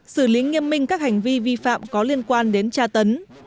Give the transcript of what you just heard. xử lý nghiêm minh các hành vi vi phạm có liên quan đến tra tấn